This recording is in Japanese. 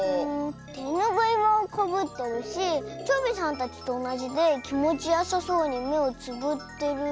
てぬぐいはかぶってるしチョビさんたちとおなじできもちよさそうにめをつぶってる。